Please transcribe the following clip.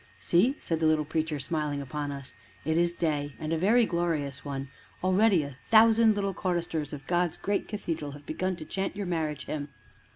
"See," said the little Preacher, smiling upon us, "it is day and a very glorious one; already a thousand little choristers of God's great cathedral have begun to chant your marriage hymn.